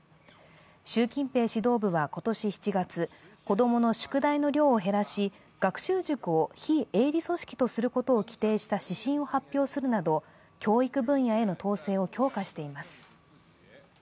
習近平指導部は今年７月子供の宿題の量を減らし学習塾を非営利組織とすることを規定した指針を発表するなど教育分野への統制を強化しています。